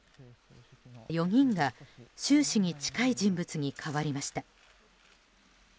４人が習氏に近い人物に代わりました。